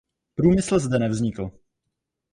Průmysl zde nevznikl.